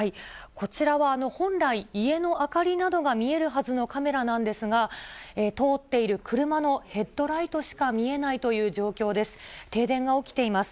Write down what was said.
こちらは本来、家の明かりなどが見えるはずのカメラなんですが、通っている車のヘッドライトしか見えないという状況です。